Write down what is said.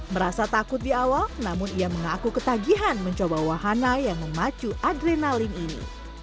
merasa takut di awal namun ia mengaku ketagihan mencoba wahana yang memacu adrenalin ini